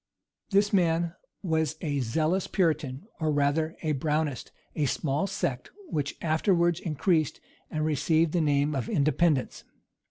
This man was a zealous Puritan, or rather a Brownist, a small sect, which afterwards increased, and received the name of "Independents."